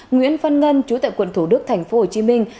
nguyễn phân ngân chủ tại quận thủ đức thành phố hồ chí minh